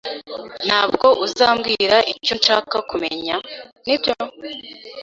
Ntabwo uzambwira icyo nshaka kumenya, nibyo?